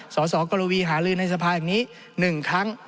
สสกรวีหาลือในสภาแห่งนี้๑ครั้ง